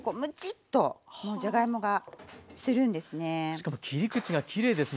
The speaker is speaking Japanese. しかも切り口がきれいですね。